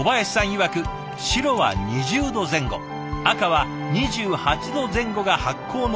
いわく白は２０度前後赤は２８度前後が発酵の適温。